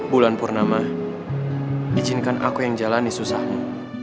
bulan purnama izinkan aku yang jalani susahmu